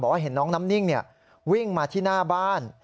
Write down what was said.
ว่าเห็นน้องน้ำนิ่งวิ่งมาที่หน้าบ้าน